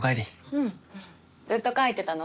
うんふふっずっと描いてたの？